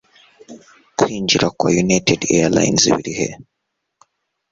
kwinjira kwa united airlines biri he